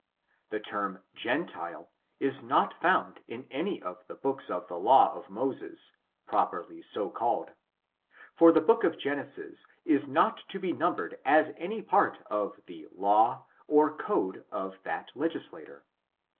The term gentile is not found in any of the books of the law of Moses, properly so called ; for the book of Genesis is not to be numbered as any part of the law or code of that legislator.